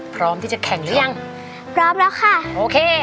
พร้อมที่จะแข่งหรือยังพร้อมแล้วค่ะโอเค